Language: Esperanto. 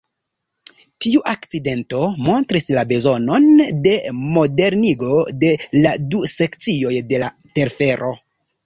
Tiu akcidento montris la bezonon de modernigo de la du sekcioj de la telfero.